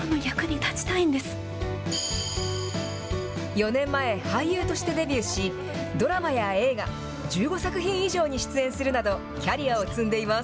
４年前、俳優としてデビューし、ドラマや映画１５作品以上に出演するなど、キャリアを積んでいます。